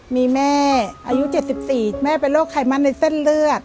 มีแม่อายุ๗๔แม่เป็นโรคไขมันในเส้นเลือด